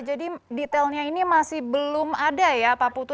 jadi detailnya ini masih belum ada ya pak putu